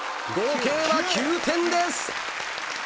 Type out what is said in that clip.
合計は９点です。